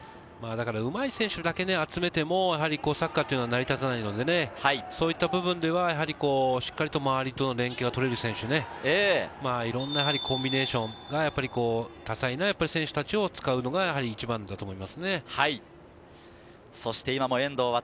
うまい選手だけ集めてもサッカーというのは成り立たないので、そういった部分ではしっかりと周りとの連係が取れる選手、いろんなコンビネーションができる選手たち、そして今も遠藤航。